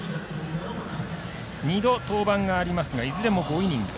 二度、登板がありますがいずれも５イニング。